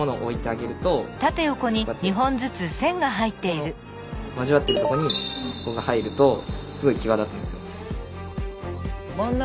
ここの交わってるとこにここが入るとすごい際立つんですよ。